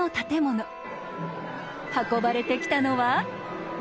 運ばれてきたのは。